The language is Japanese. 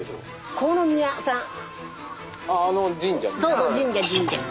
そうそう神社神社。